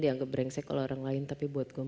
dianggap brengsek oleh orang lain tapi buat gue